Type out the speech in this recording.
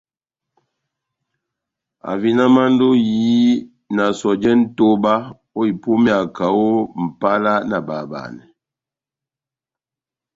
Ahavinamandi ó ehiyi na sɔjɛ nʼtoba ó ipúmeya kaho ó Mʼpala na bahabanɛ.